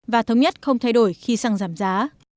và thống nhất không thay đổi khi xăng giảm giá